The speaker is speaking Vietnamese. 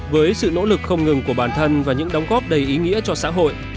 với sự nỗ lực không ngừng của bản thân và những đóng góp đầy ý nghĩa cho xã hội